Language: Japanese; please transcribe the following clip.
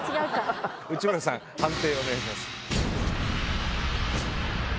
内村さん判定お願いします。